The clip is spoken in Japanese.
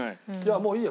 もういいよ